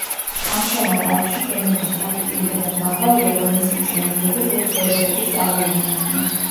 ამჟამად არხში გემების ტრაფიკი იმდენად მაღალია, რომ მისი მშენებლები ვერც ვერასოდეს წარმოიდგენდნენ.